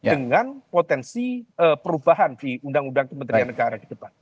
dengan potensi perubahan di undang undang kementerian negara di depan